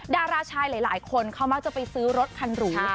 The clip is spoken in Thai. ดาราชายหลายคนเขามักจะไปซื้อรถคันหรู